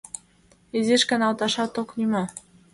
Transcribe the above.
— Изиш каналташат ок лий мо?